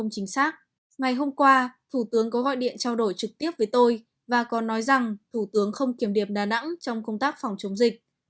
ngày hôm qua thủ tướng có gọi điện trao đổi trực tiếp với tôi và có nói rằng thủ tướng không kiềm điệp đà nẵng trong công tác phòng chống dịch